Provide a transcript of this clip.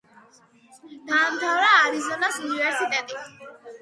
დაამთავრა არიზონას უნივერსიტეტი.